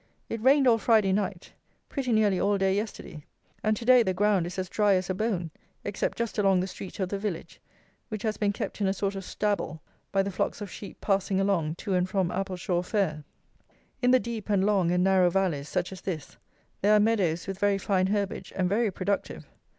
It rained all Friday night; pretty nearly all day yesterday; and to day the ground is as dry as a bone, except just along the street of the village, which has been kept in a sort of stabble by the flocks of sheep passing along to and from Appleshaw fair. In the deep and long and narrow valleys, such as this, there are meadows with very fine herbage and very productive.